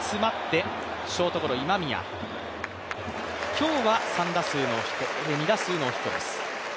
今日は２打数ノーヒットです。